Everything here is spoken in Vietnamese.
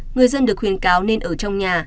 người dân được khuyên cáo nên ở trong nhà